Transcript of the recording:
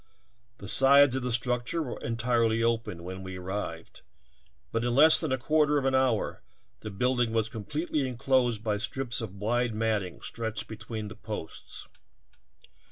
The sides of the structure were entirely open when we arrived, but in less than a quarter of an hour the building was completely enclosed by strips of wide matting stretched between the posts.